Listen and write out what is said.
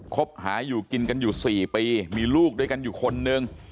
คบหาอยู่กินกันอยู่๔ปีมีลูกด้วยกันอยู่คนนึง